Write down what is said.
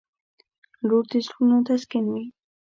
• لور د زړونو تسکین وي.